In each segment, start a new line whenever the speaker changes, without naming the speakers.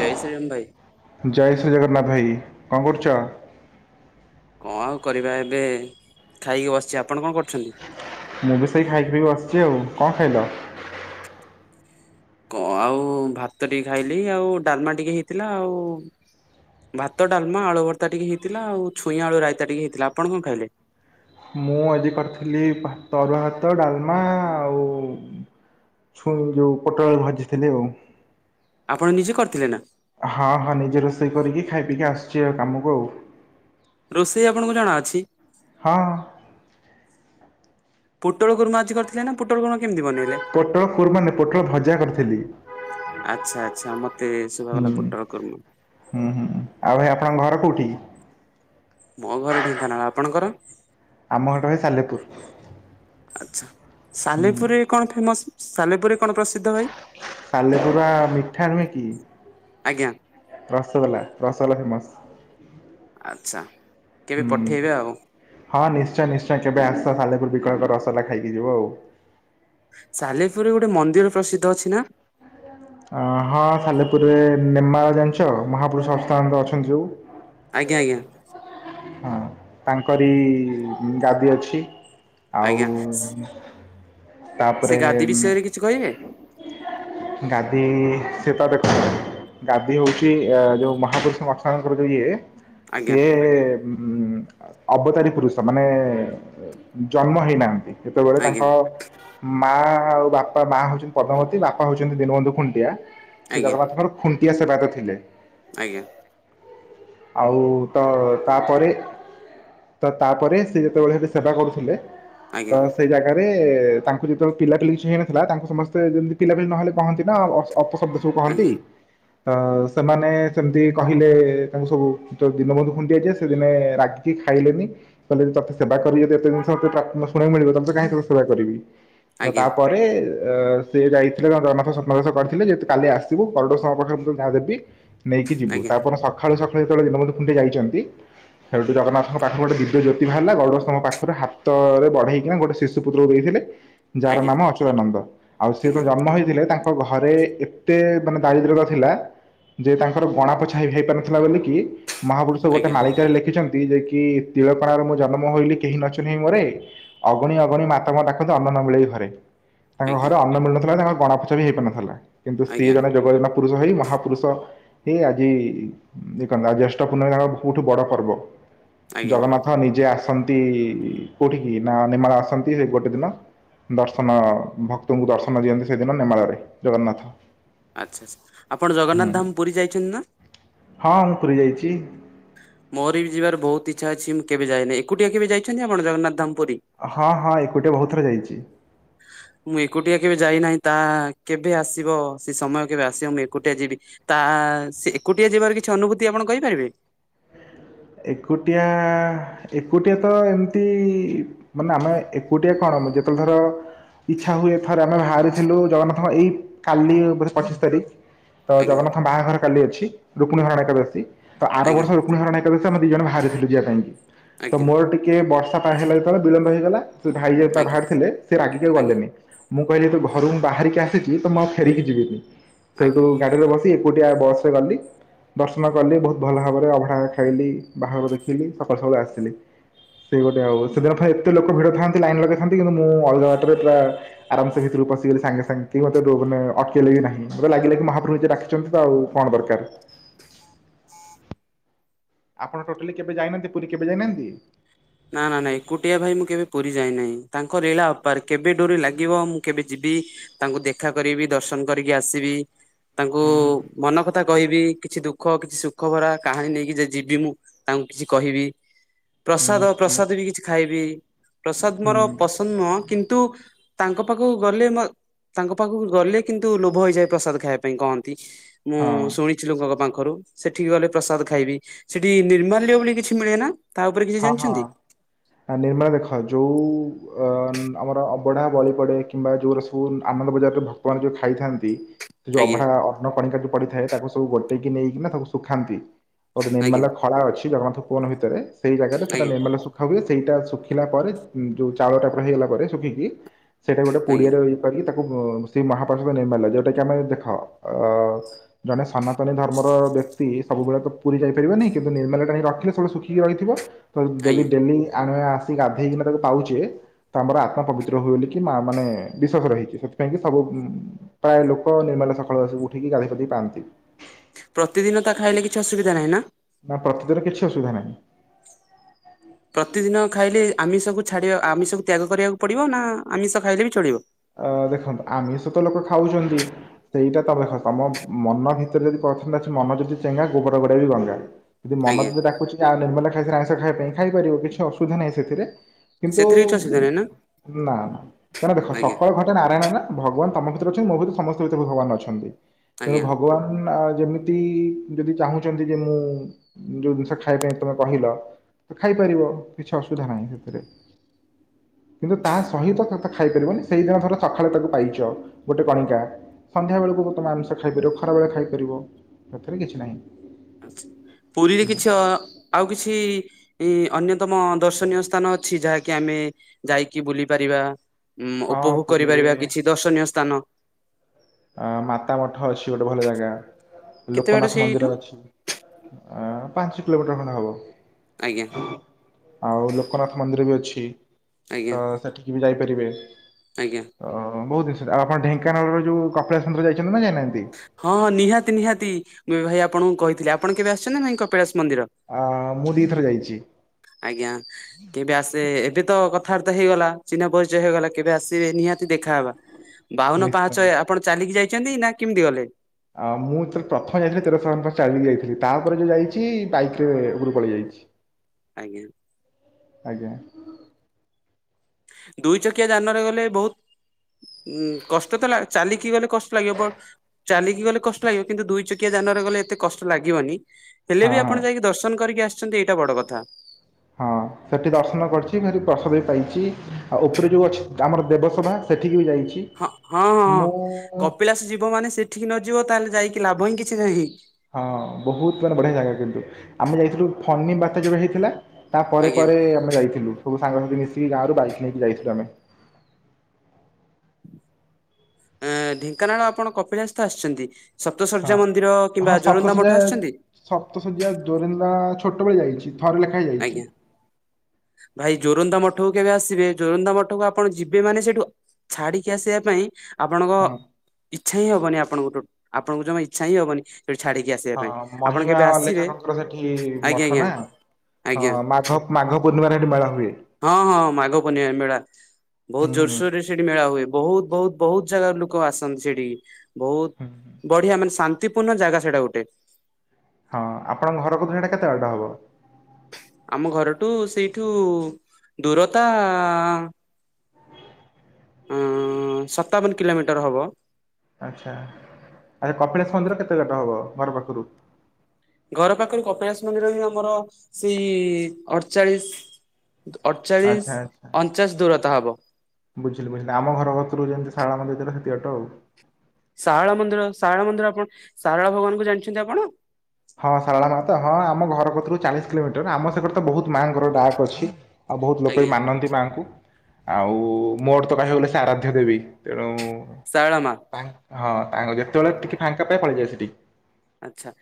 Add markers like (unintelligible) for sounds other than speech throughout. ଜୟ ଶ୍ରୀରାମ ଭାଇ।
ଜୟ ଶ୍ରୀ ଜଗନ୍ନାଥ ଭାଇ କଣ କରୁଚ?
କଣ ଆଉ କରିବା ଏବେ ଖାଇକି ବସିଚି ଆପଣ କଣ କରୁଛନ୍ତି?
ମୁଁ ବି ସେଇ ଖାଇପିଇ ବସିଚି ଆଉ କଣ ଖାଇଲ?
କ ଆଉ ଭାତ ଟିକେ ଖାଇଲି ଆଉ ଡାଲମା ଟିକେ ହେଇଥିଲା ଆଉ ଭାତ, ଡାଲମା, ଆଳୁଭର୍ତା ଟିକେ ହେଇଥିଲା ଆଉ ଛୁଇଁ ଆଳୁ ରାଇତା ଟିକେ ହେଇଥିଲା ଆପଣ କଣ ଖାଇଲେ?
ମୁଁ ଆଜି କରିଥିଲି ଭାତ ଅରୁଆ ଭାତ, ଡାଲମା ଆଉ ଛୁଇଁ ଯୋଉ ପୋଟଳ ଆଳୁ ଭାଜିଥିଲେ ଆଉ।
ଆପଣ ନିଜେ କରିଥିଲେ ନା?
ହଁ ହଁ ନିଜେ ରୋଷେଇ କରିକି ଖାଇପିଇକି ଆସଚି ଆଉ କାମକୁ ଆଉ।
ରୋଷେଇ ଆପଣଙ୍କୁ ଜଣା ଅଛି?
ହଁ
ପୋଟଳ କୁର୍ମା ଆଜି କରିଥିଲେ ନା ପୋଟଳୁ କୁର୍ମା କେମିତି ବନେଇଲେ?
ପୋଟଳ କୁର୍ମା ନୁଏ ପୋଟଳ ଭଜା କରିଥିଲି।
ଆଚ୍ଛା ଆଚ୍ଛା ମତେ ଶୁଭାଗଲା ପୋଟଳ କୁର୍ମା।
ଉଁ ହୁଁ ଆଉ ଭାଇ ଆପଣଙ୍କ ଘର କୋଉଠି କି?
ମୋ ଘର ଢେଙ୍କାନାଳ ଆପଣଙ୍କର?
ଆମ ଘର ଏଇ ସାଲେପୁର।
ଆଚ୍ଛା
ହୁଁ
ସାଲେପୁର ରେ କଣ ଫେମସ୍ ସାଲେପୁରରେ କଣ ପ୍ରସିଦ୍ଧ ଭାଇ?
ସାଲେପୁର ମିଠା ନୁହେଁ କି?
ଆଜ୍ଞା
ରସଗୋଲା ରସଗୋଲା ଫେମସ୍।
ଆଚ୍ଛା କେବେ
ହୁଁ
ପଠେଇବେ ଆଉ।
ହଁ ନିଶ୍ଚୟ ନିଶ୍ଚୟ କେବେ ଆସ ସାଲେପୁର (unintelligible) ରସଗୋଲା ଖାଇକି ଯିବ ଆଉ।
ସାଲେପୁର ରେ ଗୋଟେ ମନ୍ଦିର ପ୍ରସିଦ୍ଧ ଅଛି ନା?
ହଁ ସାଲେପୁରରେ ନେମାଳ ଜାଣିଛ ମହାପୁରୁଷ (unintelligible) ଅଛନ୍ତି ସବୁ।
ଆଜ୍ଞା ଆଜ୍ଞା।
ହଁ ତାଙ୍କରି ଗାଦି ଅଛି।
ଆଜ୍ଞା
ଆଉ
ସେ
ତାପରେ
ଗାଦି ବିଷୟରେ କିଛି କହିବେ
ଗାଦି ସେତ ଦେ ଗାଦି ହଉଚି ଆ ଯୋଉ ମହାପୁରୁଷଙ୍କ (unintelligible) ଯୋଉ ଇଏ
ଆଜ୍ଞା
ସିଏ ହୁଁ ହୁଁ ଅବତାରୀ ପୁରୁଷ ମାନେ ଜନ୍ମ ହେଇନାହାନ୍ତି। ଯେତେବେଳେ
ଆଜ୍ଞା
ତାଙ୍କ ମା ଆଉ ବାପା ମା ହଉଛନ୍ତି ପଦ୍ମାବତୀ ବାପା ହଉଛନ୍ତି ଦୀନବନ୍ଧୁ ଖୁଣ୍ଟିଆ। ସେ
ଆଜ୍ଞା
ଜଗନ୍ନାଥଙ୍କର ଖୁଣ୍ଟିଆ ସେବାୟତ ଥିଲେ।
ଆଜ୍ଞା।
ଆଉ ତ ତାପରେ ତ ତାପରେ ସେ ଯେତେବେଳେ ସେବା କରୁଥିଲେ ତ
ଆଜ୍ଞା
ସେଇ ଜାଗାରେ ତାଙ୍କୁ ଯେତେବେଳେ ପିଲାପିଲି କିଛି ହେଇନଥିଲା ତାଙ୍କୁ ସମସ୍ତେ ଯେମିତି ପିଲାପିଲି ନହେଲେ କହନ୍ତି ନା ଅ ଅପଶବ୍ଦ କହନ୍ତି।
ଆଜ୍ଞା
ତ ସେମାନେ ସେମିତି କହିଲେ ତାଙ୍କୁ ସବୁ ତ ଦିନ ବନ୍ଧୁ ଖୁଣ୍ଟିଆ ଯିଏ ସେ ଦିନେ ରାଗି କି ଖାଇଲେନି। କହିଲେ ତତେ ସେବା କରିକି ଯଦି ଏତେ ଜିନିଷ (unintelligible) ମିଳିବ ତତେ କାହିଁ ତୋ ସେବା କରିବି। ତ
ଆଜ୍ଞା
ତାପରେ ଅ ସେ ଯାଇଥିଲେ ଜଗନ୍ନାଥ ସ୍ବପ୍ନାଦେଶ କରିଥିଲେ ଯେତୁ କାଲି ଆସିବୁ (unintelligible) ଦେବି। ନେଇକି ଯିବୁ
ଆଜ୍ଞା
ତାପରେ ସକାଳୁ ସକାଳୁ ଯେତବେଳେ ଦିନବନ୍ଧୁ ଖୁଣ୍ଟିଆ ଯାଇଚନ୍ତି ସେଇଠୁ ଜଗନ୍ନାଥଙ୍କ ପାଖରୁ ଗୋଟେ ଦିବ୍ୟ ଜ୍ୟୋତି ବାହାରିଲା ଗରୁଡ଼ ସ୍ତମ୍ଭ ପାଖରୁ ହାତରେ ବଢେଇକିନା ଗୋଟେ ଶିଶୁପୁତ୍ରକୁ ଦେଇଥିଲେ।
ଆଜ୍ଞା ଆଜ୍ଞା ଆଜ୍ଞା
ଯାହାର ନାମ
ଆଜ୍ଞା
ଅଚୁରାନନ୍ଦ ଆଉ ସେ ଯୋଉ ଜନ୍ମ ହେଇଥିଲେ ତାଙ୍କ ଘରେ ଏତେ ମାନେ ଦାରିଦ୍ର୍ୟତା ଥିଲା ଯେ ତାଙ୍କର ଗଣା ପୋଛା ହେଇ ପାରୁନଥିଲା ବୋଲିକି ମହାପୁରୁଷ ଗୋଟେ (unintelligible) ସେ ଲେଖିଛନ୍ତି ଯେ କି ତିଳକଣାରୁ ମୁଁ ଜନ୍ମ ହୋଇଲି କେହି ନ (unintelligible) ମୋରେ ଅଗଣି ଅଗଣି (unintelligible) ଅନ୍ନ ନ ମିଳଇ ଘରେ। ତାଙ୍କ
ଆଜ୍ଞା
ଘରେ ଅନ୍ନ ମିଳୁନଥିଲା ତାଙ୍କର ଗଣା ଫୋଛା ବି ହେଇପାରୁନଥିଲା କିନ୍ତୁ ସିଏ
ଆଜ୍ଞା
ଜଣେ (unintelligible) ପୁରୁଷ ହେଇ ମହାପୁରୁଷ ହେଇ ଆଜି (unintelligible) ଜ୍ୟେଷ୍ଟ ପୂର୍ଣ୍ଣିମୀ ତାଙ୍କ ସବୁଠୁ ବଡ଼ ପର୍ବ
ଆଚ୍ଛା
ଜଗନ୍ନାଥ ହଁ ନିଜେ ଆସନ୍ତି କୋଉଠି କି ନା ନିମାଳ ଆସନ୍ତି ଗୋଟେ ଦିନ। ଦର୍ଶନ ଭକ୍ତଙ୍କୁ ଦର୍ଶନ ଦିଅନ୍ତି ସେଦିନ ନେମାଳରେ ଜଗନ୍ନାଥ।
ଆଚ୍ଛା ଆଚ୍ଛା ଆପଣ
ହୁଁ
ଜଗନ୍ନାଥ ଧାମ୍ ପୁରୀ ଯାଇଛନ୍ତି ନା?
ହଁ ମୁଁ ପୁରୀ ଯାଇଛି।
ମୋର ବି ଯିବାର ବହୁତ ଇଚ୍ଛା ଅଛି ମୁଁ କେବେ ଯାଇନାହିଁ ଏକୁଟିଆ କେବେ ଯାଇଛନ୍ତି ଆପଣ ଜଗନ୍ନାଥ ଧାମ ପୁରୀ?
ହଁ ହଁ ଏକୁଟିଆ ବହୁତ୍ ଥର ଯାଇଛି।
ମୁଁ ଏକୁଟିଆ କେବେ ଯାଇନାହିଁ ତା କେବେ ଆସିବ ସେ ସମୟ କେବେ ଆସିବ ମୁଁ ଏକୁଟିଆ ଯିବି। ତା ସେ ଏକୁଟିଆ ଯିବାର କିଛି ଅନୁଭୂତି ଆପଣ କହିପାରିବେ।
ଏକୁଟିଆ ଏକୁଟିଆ ତ ଏମିତି ମାନେ ଆମେ ଏକୁଟିଆ କଣ ଯେତେବେଳେ ଧର ଇଚ୍ଛା ହୁଏ ଥରେ ଆମେ ବାହାରିଥିଲୁ ଜଗନ୍ନାଥଙ୍କ ଏଇ କାଲି ମାନେ ପଚିଶି ତାରିଖ୍ ତ
ଆଜ୍ଞା
ଜଗନ୍ନାଥଙ୍କ ବାହାଘର କାଲି ଅଛି ରୁକ୍ମଣୀ ହରଣ ଏକାଦଶୀ ତ ଆର
ଆଜ୍ଞା
ବର୍ଷ ରୁକ୍ମଣୀ ହରଣ ଏକାଦଶୀ ଆମେ ଦି ଜଣ ବାହାରିଥିଲୁ ଯିବା ପାଇଁ କି ତ
ଆଜ୍ଞା
ମୋର ଟିକେ ବର୍ଷା ପାଇ ହେଲା ଯେବେଳେ ବିଳମ୍ବ ହେଇଗଲା। ସେ ଭାଇ ଯେ
ଆଜ୍ଞା
ବାହାରି ଥିଲେ ସେ ରାଗିକ
ଆଜ୍ଞା
ଗଲେନି। ମୁଁ କହିଲି ତୁ ଘରୁକୁ ବାହାରିକି ଆସିଚି ତ ମୁଁ ଆଉ ଫେରିକି ଯିବିନି ସେଇଠୁ
ଆଜ୍ଞା
ଗାଡିରେ ବସି ଏକୁଟିଆ ବସ ରେ ଗଲି ଦର୍ଶନ କଲି ବହୁତ ଭଲ ଭାବରେ ଅଭଢା ଖାଇଲି ବାହାରଘ ଦେଖିଲି ସକାଳୁ ସକାଳୁ ଆସିଲି। ସେଇ ଗୋଟେ ଆଉ ସେଦିନ ପାଇଁ ଏତେ ଲୋକ ଭିଡ଼ ଥାନ୍ତି ଲାଇନ୍ ଲଗାଇଥାନ୍ତି କିନ୍ତୁ ମୁଁ ଅଳଗା ବାଟରେ ପୁରା ଆରାମ ସେ ଭିତରୁ ପିଗଲେ ସାଙ୍ଗେ ସାଙ୍ଗେ କେ ମୋତେ ଅଟକେ ବି ନାହିଁ ମତେ ଲାଗିଲ କି ମହାପଭୁ ଡା ଅଛନ୍ତି ତ ଆଉ କଣ ଦରକାର। ଆପଣ ଟୋଟାଲି କେବେ ଯାଇନାହାନ୍ତି ପୁରୀ କେବେ ଯାଇନାହାନ୍ତି?
ନା ନା ନାଇଁ କୁଟିଆ ଭାଇ ମୁଁ କେବେ ପୁରୀ ଯାଇନାହିଁ। ତାଙ୍କ ଲୀଳା ଅପାର କେବେ ଡୋରି ଲାଗିବ ମୁଁ କେବେ ଯିବି ତାଙ୍କୁ ଦେଖା କରିବି ଦର୍ଶନ କରିକି ଆସିବି ତାଙ୍କୁ
ହୁଁ
ମନ କ କଥା କହିବି କିଛି ଦୁଃଖ କିଛି ସୁଖ ଭରା କାହାଣୀ ନେଇକି ଯେ ଯିବି ମୁଁ ତାଙ୍କୁ କିଛି କହିବି,
ହୁଁ
ପ୍ରସାଦ
ନିଶ୍ଚୟ
ପ୍ରସାଦ
ନିଶ୍ଚୟ
କିଛି ଖାଇବି ପ୍ରସାଦ ମୋର
ହୁଁ
ପସନ୍ଦ ନୁହଁ କିନ୍ତୁ ତାଙ୍କ ପାଖକୁ ଗଲେ ମୋ ତାଙ୍କ ପାଖକୁ ଗଲେ କିନ୍ତୁ ଲୋଭ ହେଇଯାଏ ପ୍ରସାଦ ଖାଇବା ପାଇଁ କହନ୍ତି। ମୁଁ ଶୁଣି
ହଁ
କିଛି ଲୋକଙ୍କ ପାଖରୁ ସେଠିକି ଗଲେ ପ୍ରସାଦ ଖାଇବି ସେଠି ନିର୍ମାଲ୍ୟ ବୋଲି କିଛି ମିଳେ ନା? ତା ଉପରେ କିଛି
ହଁ
ଜାଣିଛନ୍ତି?
ହଁ ନିର୍ମାଲ୍ୟ ଦେଖ ଯୋଉ ଅ ଆମର ଅବଢା ବଳି ପଡେ କିମ୍ବା ଯୋଉରା ସବୁ ଆନନ୍ଦ ବଜାରରେ ଭକ୍ତବାନ ଯୋଉ ଖାଇଥାନ୍ତି ସେ ଯଉ
ଆଜ୍ଞା
ଅଭଢା ଅନ୍ନ କଣିକା ଯୋଉ ପଡିଥାଏ ତାକୁ ସବୁ ଗୋଟେଇକି ନେଇକି ନା ତାକୁ ଶୁଖାନ୍ତି। ଗୋଟେ
ଆଜ୍ଞା
ନିର୍ମାଲ୍ୟ ଖଳା ଅଛି ଜଗନ୍ନାଥ ଭୁବନ ଭିତରେ ସେଇ ଜାଗାରେ ସେଟା
ଆଜ୍ଞା
ନିର୍ମାଲ୍ୟ ସ ଦେଖା ହୁଏ ସେଇଟା ଶୁଖିଲା ପରେ ଯେଉଁ ଚାଉଳଟା ପ ହେଇଗଲା ପରେ ଶୁଖିକି ସେଇଟା ଗୋଟେ
ଆଜ୍ଞା
ପୁଡିଆ ରେ କର ତାକୁ ସେ ମହାପ୍ରଷଦ ନିର୍ମାଲ୍ୟ ଯୋଉଟା କି ଆମେ ଦେଖ ଅ ଜଣେ ସନାତନୀ ଧର୍ମର ବ୍ୟକ୍ତି ସବୁବେଳେ ତ ପୁରୀ ଯାଇପାରିବନି କିନ୍ତୁ ନିର୍ମାଲ୍ୟ ଟା ନେଇ ରଖିଲେ ସବୁ ଶୁଖିକି ରହି ଥିବ ଯଦି
ଆଜ୍ଞା
ଡେଲି ଆଣୁେ ଆସିକି ଗଧେଇକନା ତାକୁ ପାଉଛେ ତ ଆମର ଆତ୍ମା ପବିତ୍ର ହୁଏ ବୋଲି କି ମା ମାନେ ବିଶ୍ଵାସ ରହିଛି। ସେଥିପାଇଁ କି ସବୁ ପ୍ରାୟ ଲୋକ ନିର୍ମାଲ୍ୟ ସକାଳୁ ଆସି ଉଠିକି ଗାଧେଇ ପାଆନ୍ତି।
ପ୍ରତିଦିନ ତା ଖାଇଲେ କିଛି ଅସୁବିଧା ନାହିଁ ନା?
ନା ପ୍ରତିଦିନ କିଛି ଅସୁବିଧା ନାହିଁ।
ପ୍ରତିଦିନ ଖାଇଲେ ଆମିଷକୁ ଛାଡ଼ିବା ଆମିଷକୁ ତ୍ୟାଗ କରିବାକୁ ପଡ଼ିବ ନା ଆମିଷ ଖାଇଲେ ବି ଚଳିବ।
ଅ ଦେଖନ୍ତୁ ଆମିଷତ ଲୋକ ଖାଉଛନ୍ତି। ସେଇଟା ତମେ ଦେଖ ତମ ମନ ଭିତରେ ଯଦି (unintelligible) ମନ ଯଦି ଚେଙ୍ଗା ଗୋବର ଗାଡ଼ିଆ ବି ଗଙ୍ଗା। ଯଦି ମନ
ଆଜ୍ଞା
ଯଦି ଡାକୁଛି ଆ ନିର୍ମାଲ୍ୟ ଖାଇସାରି ଆଇଁସ ଖାଇବା ପାଇଁ ଖାଇପାରିବ କି ଅସୁବିଧା ନାହିଁ ସେଥିରେ। କିନ୍ତୁ
ସେଥିରେ କିଛି ଅସୁବିଧା ନାହିଁ ନା
ନା ନା ଦେଖ
ଆଜ୍ଞା
ସ ଘଟେ ନାରାୟଣ ନା ଭଗବାନ ତମ ଭିତରେ ଅଛନ୍ତି ମୋ ଭିତରେ ସମସ୍ତେ ଭିତରେ ଭଗବାନ ଅଛନ୍ତି। ତେଣୁ
ଆଜ୍ଞା
ଭଗବାନ ଯେମିତି ତି ଯଦି ଚାହୁଁଛନ୍ତି ଯେ ମୁଁ ଯୋଉ ଜିନିଷ ଖାଇବା ପାଇଁ ତମେ କହିଲ। ତ ଖାଇପାରିବ କିଛି ଅସୁବିଧା ନାହିଁ ସେଥିରେ। କିନ୍ତୁ ତା ସହିତ ତ ଖାଇପାରିବନି। ସେଇଦିନ ଥର ସକାଳେ ତାକୁ ପାଇଛ ଗୋଟେ କଣିକା ସନ୍ଧ୍ୟା ବେଳକୁ ତମେ ଆଂମୀସ ଖାଇପାରିବ ଖରାବେଳେ ଖାଇପାରିବ ଏଥିରେ କିଛି ନାହିଁ।
ପୁରୀରେ କିଛି
ହୁଁ
ଅ ଆଉ କିଛି ଏ ଅନ୍ୟତମ ଦର୍ଶନୀୟ ସ୍ଥାନ ଅଛି ଯାହାକି ଆମେ ଯାଇକି ବୁଲି ପାରିବା? ଉଁ
ହଁ
ଉପଭୋଗ
ପୁରୀରେ
କରିପାରିବା କିଛି ଦର୍ଶନୀୟ ସ୍ଥାନ
ଅ ମାତା ମଠ ଅଛି ଗୋଟେ ଭଲ ଜାଗା
କେତେ ବାଟ
ଲୋକନାଥ
ସେଇଠୁ
ମନ୍ଦିର ଅଛି। ଅ ପାଞ୍ଚ କିଲୋମିଟର ଖଣ୍ଡେ ହବ।
ଆଜ୍ଞା।
ଆଉ ଲୋକନାଥ ମନ୍ଦିର ବି ଅଛି
ଆଜ୍ଞା
ତ ସେଠିକି ବି ଯାଇପାରିବେ।
ଆଜ୍ଞା।
ଅ ବହୁତ ଜିନିଷ ଆପଣ ଢେଙ୍କାନାଳର ଯୋଉ କପିଳାେଶ (unintelligible) ଯାଇଛନ୍ତି ନା ଯାଇନାହାନ୍ତି?
ହଁ ହଁ ନିହାତି ନିହାତି ଭାଇ ଆପଣଙ୍କୁ କହିଥିଲି ଆପଣ କେବେ ଆସିଛନ୍ତି ଭାଇ କପିଳାସ ମନ୍ଦିର?
ଆ ମୁଁ ଦିଇଥର ଯାଇଛି।
ଆଜ୍ଞା। କେବେ ଆସେ ଏବେ ତ କଥାବାର୍ତ୍ତା ହେଇଗଲା ଚିହ୍ନ ପରିଚୟ ହେଇଗଲା କେବେ ଆସିବେ ନିହାତି ଦେଖାହବା।
(inaudible)
ବାଉନ
ନିଶ୍ଚୟ
ପାହାଞ୍ଚହ ଆପଣ ଚାଲିକି ଯାଇଛନ୍ତି ନା କେମିତି ଗଲେ?
ଆଉ ମୁଁ ଯେତେବେଳେ ପ୍ରଥମ ଯାଇଥିଲି ତେରଶହଙ୍କ ଚାଲିକି ଯାଇଥିଲି ତାପରେ ଯୋଉ ଯାଇଛି ବାଇକ ରେ ଉପରୁ ପଳେଇ ଯାଇଛି। (inaudible)
ଆଜ୍ଞା।
ଆଜ୍ଞା।
ଦୁଇ ଚକିଆ ଯାନରେ ଗଲେ ବହୁତ୍ ଉଁ କଷ୍ଟ ତ ଲା ଚାଲିକି ଗଲେ କଷ୍ଟ ଲାଗିବ ବ ଚାଲିକି ଗଲେ କଷ୍ଟ ଲାଗିବ କିନ୍ତୁ ଦୁଇ ଚକିଆ ଯାନରେ ଗଲେ ଏତେ କଷ୍ଟ ଲାଗିବନି। ହେଲେ
ହଁ
ବି
ହଁ
ଆପଣ ଯାଇକି ଦର୍ଶନ କରିକି ଆସିଛନ୍ତି ଏଇଟା ବଡ କଥା।
ହଁ। ସେଠି ଦର୍ଶନ କରିଛି କିନ୍ତୁ ପ୍ରସାଦ ବି ପାଇଛି ଆଉ ଉପରେ ଯେଉଁ ଅଛି ଆମର ଦେବସଭା ସେଠିକି ବି ଯାଇଛି।
ହଁ ହଁ ହଁଁ
ମୁଁ
କପିଳାସ ଯିବ ମାନେ ସେଠିକି ନଯିବ ତାହେଲେ ଯାଇକି ଲାଭ ହିଁ କିଛି ନାହିଁ।
ହଁ ବହୁତ ମାନେ ବଢିଆ ଜାଗା କିନ୍ତୁ ଆମେ ଯାଇଥିଲୁ ଫନି ବାତ୍ୟା ଯେବେ ହେଇଥିଲା। ତାପରେ
ଆଜ୍ଞା।
ପରେ ଆମେ ମାନେଯାଇଥିଲୁ ସବୁ ସାଙ୍ଗସାଥି ମିଶିକି ଗାଁରୁ ବାଇକ ନେଇକି ଯାଇଥିଲୁ ଆମେ।
ଏ ଢେଙ୍କାନାଳ ଆପଣ କପିଳାସ ତ ଆସିଛନ୍ତି।
ହଁ।
ସପ୍ତଶଯ୍ୟା ମନ୍ଦିର
ହଁ
କିମ୍ବା ଜୋରନ୍ନ୍ଦା
ସପ୍ତଶଯ୍ୟା
ମଠ ଆସିଛନ୍ତି?
ସପ୍ତଶଯ୍ୟା, ଦୋରିନ୍ଦା ଛୋଟବେଳେ ଯାଇଛି ଥରେ ଲେଖା।
ଆଜ୍ଞା। ଭାଇ ଜୋରନ୍ଦା ମଠକୁ କେବେ ଆସିବେ ଜୋରନ୍ଦା ମଠକୁ ଆପଣ ଯିବେ ମାନେ ସେଇଠୁ ଛାଡିକି ଆସିବା ପାଇଁ ଆପଣଙ୍କ
ହଁ।
ଇଚ୍ଛା ହିଁ ହବନି ଆପଣଙ୍କୁ ଆପଣଙ୍କୁ ଜମା ଇଚ୍ଛା ହିଁ ହବନି ସେଠି ଛାଡିକି। ଆସିବା
ହଁ
ପାଇଁ। ଆପଣ
ମହିମା
କେବେ ଆସିବେ
ଅଲେଖକଙ୍କର ସେଠି
ଆଜ୍ଞା
ମଠ
ଆଜ୍ଞା
ନା। ହଁ
ଆଜ୍ଞା।
ମାଘ ମାଘ ପୂର୍ଣ୍ଣିମାରେ ଏଠି ମେଳା ହୁଏ।
ହଁ ହଁ ମାଘ ପୂର୍ଣ୍ଣିମା ମେଳା।
ହୁଁ
ବହୁତ
ହୁଁ
ଜୋରସୋର ରେ ସେଠି ମେଳା ହୁଏ ବହୁତ ବହୁତ ବହୁତ ଜାଗାରୁ ଲୋକ ଆସନ୍ତି ସେଠିକି।
ହୁଁ
ବହୁତ ବଢିଆ ମାନେ ଶାନ୍ତିପୂର୍ଣ୍ଣ ଜାଗା ସେଇଟା ଗୋଟେ।
ହଁ ଆପଣଙ୍କ ଘର କତୁରୁ ହେଟା କେତେ ବାଟ ହବ?
ଆମ ଘରଠୁ ସେଇଠୁ ଦୂରତା ଉଁ ସତାବନ କିଲୋମିଟର ହବ।
ଆଚ୍ଛା ଆଚ୍ଛା କପିଳାଶ ମନ୍ଦିର କେତେ ବାଟ ହବ ଘର ପାଖରୁ?
ଘର ପାଖରେ କପିଳାସ ମନ୍ଦିର ବି ଆମର ସେଇ ଅଠଚାଳିଶ।
ଆଚ୍ଛା
ଅଠଚାଳିଶ
ଆଚ୍ଛା
ଅଣଚାଶ ଦୂରତା ହବ।
ବୁଝିଲି ବୁଝିଲି ଆମ ଘର କତୁରୁ ଯେମିତି ସାରଳା ମନ୍ଦିର ଯେତିକି ଦୂର ସେତିକି ବାଟ।
ଶାରଳା ମନ୍ଦିର ଶାରଳା ମନ୍ଦିର ଆପଣ ଶାରଳା ଭଗବାନ ଙ୍କୁ ଜାଣିଛନ୍ତି ଆପଣ?
ହଁ ଶାରଳା ମା ତ ହଁ ଆମ ଘର କତୁରୁ ଚାଳିଶ କିଲୋମିଟର ଆମ ସେପଟେ ତ ବହୁତ ମାଆଙ୍କର ଡାକ୍ ଅଛି। ଆଉ ବହୁତ ଲୋକ ବି
ଆଜ୍ଞା
ମାନନ୍ତି ମାଆଙ୍କୁ। ଆଉ ମୋର ତ କହିବାକୁ ଗଲେ ସେ ଆରାଧ୍ୟ ଦେବୀ ତେଣୁ
ଶାରଳା ମା
ହଁ ତାଙ୍କୁ ଯେତେବେଳେ ଟିକେ ଫାଙ୍କା ପାଇଁ ପଳେଇଯାଏ ସେଠିକି।
ଆଚ୍ଛା।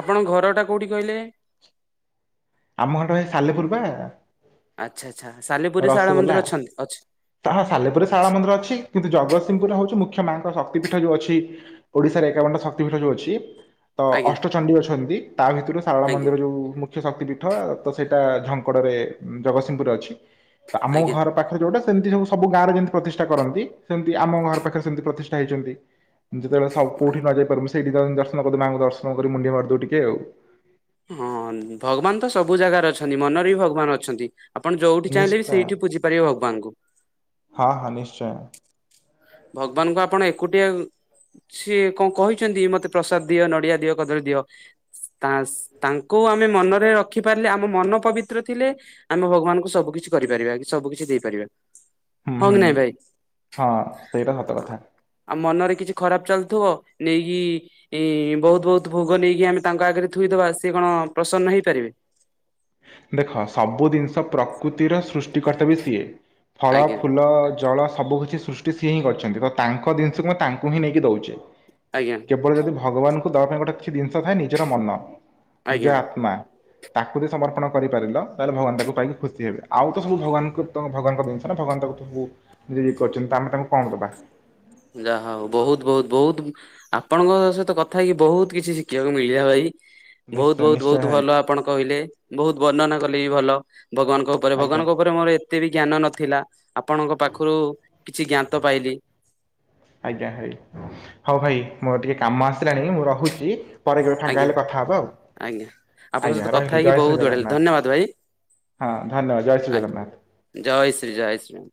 ଆପଣ ଘର ଟା କୋଉଠି କହିଲେ?
ଆମ ଘର ଟା ପା ଏ ସାଲେପୁର ବା।
ଆଚ୍ଛା ଆଚ୍ଛା ସାଲେ
ରସଗୋଲା ହଁ ସାଲେପୁରେ
ଆଚ୍ଛା
ଶାରଳା ମନ୍ଦିର ଅଛି। କିନ୍ତୁ ଜଗତସିଂହପୁରେ ହଉଛି ମୁଖ୍ୟ ମାଆଙ୍କ ଶକ୍ତିପୀଠ ଯୋଉ ଅଛି। ଓଡ଼ିଶାରେ ଏକାବନଟା ଶକ୍ତିପୀଠ ଯୋଉ ଅଛି ତ
ଆଜ୍ଞା
ଅଷ୍ଟ ଚଣ୍ଡୀ ଅଛନ୍ତି ତା ଭିତରୁ ଶାରଳା
ଆଜ୍ଞା
ମନ୍ଦିର ଯୋଉ ମୁ ଖ୍ୟା ଶକ୍ତି ପୀଠ ତ ସେଇଟା ଝଙ୍କଡରେ ଜଗତସିଂହପୁରେ ଅଛି ତ ଆମ
ଆଜ୍ଞା
ଘର ପାଖ ଯଉଟା ସେମିତି ସବୁ ସବୁ ଗାଁରେ ଯେମିତି ପ୍ରତିଷ୍ଠା କରନ୍ତି ସେମିତି ଆମ ଘର ପାଖରେ ସେମିତି ପ୍ରତିଷ୍ଠା ହେଇଛନ୍ତି। ଯେତେବେଳେ ସବ
ଆ-
ପୁରୀ ନ ଯାଇ ପାରିବୁ ମୁ ସେଇଠି ଦ ଦର୍ଶନ କରିଦେ ମାଆଙ୍କୁ ଦର୍ଶନ କରି ମୁଣ୍ଡିଆ ମାରିଦଉ ଟିକେ ଆଉ।
ହଁ ଭଗବାନ ତ ସବୁ ଜାଗାରେ ଅଛନ୍ତି ମନରେ ବି ଭଗବାନ ଅଛନ୍ତି। ଆପଣ ଯୋଉଠି ଚାହିଁଲେ ବି
ନିଶ୍ଚୟ
ସେଇଠି ପୂଜିପାରିବେ ଭଗବାନଙ୍କୁ।
ହଁ ହଁ ନିଶ୍ଚୟ।
ଭଗବାନଙ୍କୁ ଆପଣ ଏକୁଟିଆ ସିଏ କଣ କହିଛନ୍ତି ମତେ ପ୍ରସାଦ୍ ଦିଅ ନଡିଆ ଦିଅ କଦଳୀ ଦିଅ। କାସ୍ ତାଙ୍କୁ ଆମେ ମନରେ ରଖି ପାରିଲେ ଆମ ମନ ପବିତ୍ର ଥିଲେ ଆମେ ଭଗବାନଙ୍କୁ ସବୁ କିିଛି କରିପାରିବା କି ସବୁ କିଛି ଦେଇପାରିବା
ହୁଁ
ହଁ କି
ହୁଁ।
ନାଇଁ ଭାଇ?
ହଁ ସେଇଟା ସତ କଥା।
ଆମ ମନରେ କିଛି ଖରାପ ଚାଲୁଥିବ ନେଇକି ଏଇ ବହୁତ ବହୁତ ଭୋଗ ନେଇକି ଆମେ ତାଙ୍କ ଆଗରେ ଥୋଇଦବା ସିଏ କଣ ପ୍ରସନ୍ନ ହେଇପାରିବେ?
ଦେଖ ସବୁ ଜିନିଷ ପ୍ରକୃତିର ସୃଷ୍ଟି କର୍ତ୍ତା ବି ସିଏ। ଫଳ
ଆଜ୍ଞା
ଫୁଲ ଜଳ ସବୁ କିଛି ସୃଷ୍ଟି ସିଏ ହିଁ କରିଛନ୍ତି ତ ତାଙ୍କ ଜିନିଷକୁ ମୁଁ ତାଙ୍କୁ ହିଁ ନେଇକି ଦଉଚେ।
ଆଜ୍ଞା।
କେବଳ ଯଦି ଭଗବାନଙ୍କୁ ଦବା ପାଇଁ ଗୋଟେ କିଛି ଜିନିଷ ଥାଏ ନିଜର ମନ
ଆଜ୍ଞା
ନିଜ ଆତ୍ମା। ତାକୁ ସମର୍ପଣ କରିପାରିଲ ତାହେଲେ ଭବାନଙ୍କୁ ପାଇକି ଖୁସି ହେବେ ଆଉ ତ ସବୁ ଭଗବାନ ତ ଭଗବାନଙ୍କ ଜିନିଷ ନା ଭଗବାନ ତାକୁ ସବୁ - ଯି ଯିଏ କରଛନ୍ତି ତ ଆମେ ତାଙ୍କୁ କଣ ଦବା?
ଯାହା ହଉ ବହୁତ ବହୁତ ବହୁତ ଆପଣଙ୍କ ସହିତ କଥା ହେଇକି ବହୁତ କିଛି ଶିଖିବାକୁ ମିଳିଲା ଭାଇ। ବହୁତ
ନିଶ୍ଚୟ
ବହୁତ
ନିଶ୍ଚୟ
ବହୁତ
ଭାଇ
ଭଲ ଆପଣ କହିଲେ ବହୁତ ବର୍ଣ୍ଣନା କଲେ ବି ଭଲ ଭଗବାନଙ୍କ ତା ପରେ
ଆଜ୍ଞା
ଭଗବାନଙ୍କ ଉପରେ ମୋର ଏତେ ବି ଜ୍ଞାନ ନଥିଲା ଆପଣଙ୍କ ପାଖରୁ କିଛି ଜ୍ଞାତ ପାଇଲି।
ଆଜ୍ଞା ଭାଇ ହଉ ଭାଇ ମୋର ଟିକେ କାମ ଆସିଲାଣି ମୁଁ ରହୁଛି। ପରେ କେବେ ଫାଙ୍କା
ଆଜ୍ଞା
ହେଲେ କଥା ହେବା ଆଉ
ଆଜ୍ଞା ଆପଣଙ୍କ ସହିତ
ଆଜ୍ଞା
କଥା
ରହିଲି
ହେଇକି
ଜୟ
ବହୁତ
ଶ୍ରୀ
ବଢିଆ ଲାଗିଲା।
ଜଗନ୍ନାଥ।
ଧନ୍ୟବାଦ ଭାଇ
ହଁ ଧନ୍ୟବାଦ ଜୟ ଶ୍ରୀ ଜଗନ୍ନାଥ।
ଜୟ ଶ୍ରୀ ଜୟ ଶ୍ରୀ।